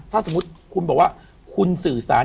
ถ้าคุณบอกว่า